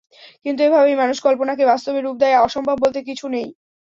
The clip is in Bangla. কিন্তু এভাবেই মানুষ কল্পনাকে বাস্তবে রূপ দেয়, অসম্ভব বলতে কোনো কিছু নেই।